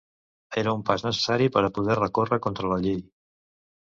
Era un pas necessari per a poder recórrer contra la llei.